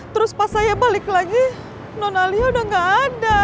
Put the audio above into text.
terus pas saya balik lagi donalia udah gak ada